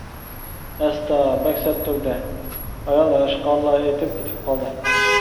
-ئەستا، بەك سەت تۇردى. ئايال ھەشقاللا ئېيتىپ كېتىپ قالدى.